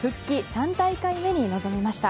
３大会目に臨みました。